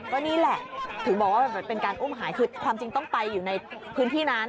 ก็นี่แหละถึงบอกว่าเป็นการอุ้มหายคือความจริงต้องไปอยู่ในพื้นที่นั้น